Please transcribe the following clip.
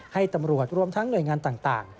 ให้ตำรวจรวมทั้งหน่วยงานต่าง